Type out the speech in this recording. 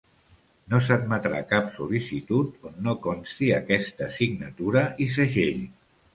No s'admetrà cap sol·licitud on no consti aquesta signatura i segell.